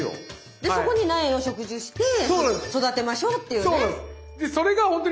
でそこに苗を植樹して育てましょうっていうね。